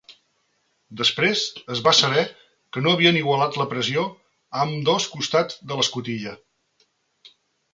Després es va saber que no havien igualat la pressió a ambdós costats de l'escotilla.